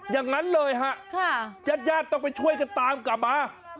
อย่างนั้นเลยฮะญาติญาติต้องไปช่วยกันตามกลับมา